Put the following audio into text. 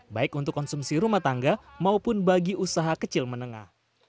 baik untuk konsumsi rumah tangga maupun bagi usaha kecil menengah